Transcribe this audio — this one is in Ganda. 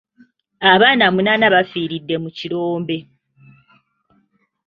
Abaana munaana bafiiridde mu kirombe.